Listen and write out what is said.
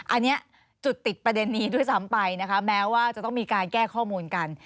อันนี้จุดติดประเด็นนี้ด้วยซ้ำไปนะคะแม้ว่าจะต้องมีการแก้ข้อมูลกัน